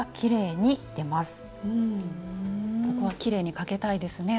ここはきれいにかけたいですね。